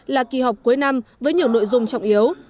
là kỳ họp cuối năm với nhiều nội dung trọng yếu